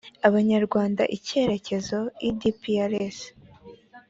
abanyarwanda icyerekezo edprs